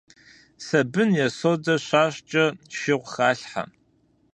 Сабын е содэ щащӀкӀэ, шыгъу халъхьэ.